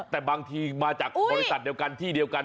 แต่บางทีมาจากบริษัทเดียวกันที่เดียวกัน